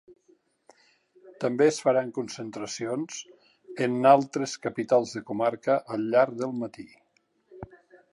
També es faran concentracions en altres capitals de comarca al llarg del matí.